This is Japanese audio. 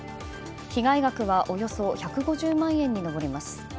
被害額はおよそ１５０万円に上ります。